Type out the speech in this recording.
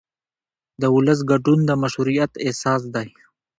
د ولس ګډون د مشروعیت اساس دی